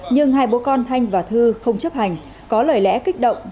nhưng hai bố con thanh và thư không chấp hành có lời lẽ kích động